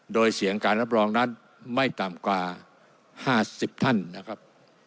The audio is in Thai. โดยเสียงการรับรองนั้นไม่ต่ำกว่า๕๐ท่านนะครับ